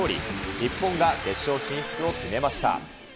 日本が決勝進出を決めました。